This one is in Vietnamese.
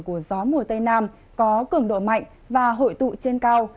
của gió mùa tây nam có cường độ mạnh và hội tụ trên cao